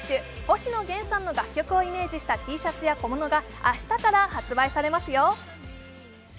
星野源さんの楽曲をイメージしたＴシャツや小物が明日から発売されますよ。